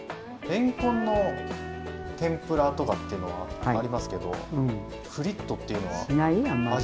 れんこんの天ぷらとかっていうのはありますけどフリットっていうのは初めてですね。